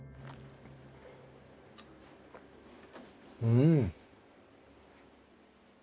うん。